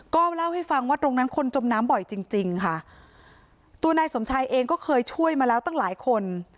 ก็เล่าให้ฟังว่าตรงนั้นคนจมน้ำบ่อยจริงจริงค่ะตัวนายสมชายเองก็เคยช่วยมาแล้วตั้งหลายคน